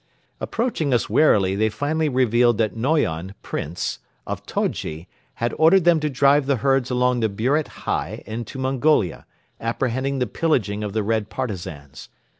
Approaching us warily they finally revealed that Noyon (Prince) of Todji had ordered them to drive the herds along the Buret Hei into Mongolia, apprehending the pillaging of the Red Partisans.